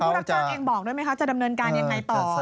แล้วทางผู้รักษาเองบอกด้วยไหมคะจะดำเนินการยังไงต่อ